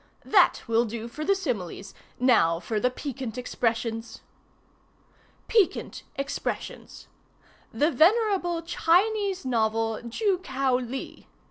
That will do for the similes. Now for the Piquant Expressions. "PIQUANT EXPRESSIONS. 'The Venerable Chinese novel Ju Kiao Li.